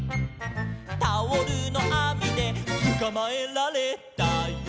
「タオルのあみでつかまえられたよ」